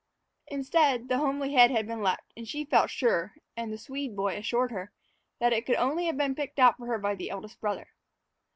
Instead, the homely head had been left, and she felt sure (and the Swede boy assured her) that it could only have been picked out for her by the eldest brother.